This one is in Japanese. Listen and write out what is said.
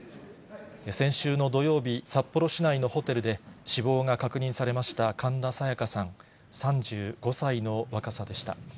先週の土曜日、札幌市内のホテルで、死亡が確認されました神田沙也加さん、３５歳の若さでした。